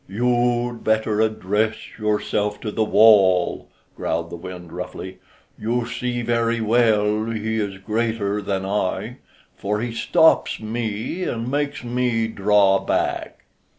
"You'd better address yourself to the wall," growled the wind roughly. "You see very well he is greater than I, for he stops me and makes me draw back."